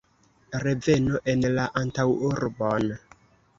Reveno en la antaŭurbon.